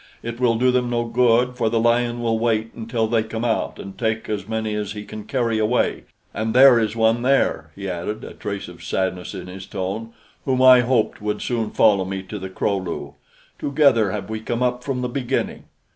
"It will do them no good, for the lion will wait until they come out and take as many as he can carry away; and there is one there," he added, a trace of sadness in his tone, "whom I hoped would soon follow me to the Kro lu. Together have we come up from the beginning."